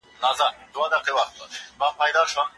معلومات په ترتیب سره ولیکئ.